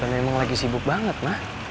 dan memang lagi sibuk banget ma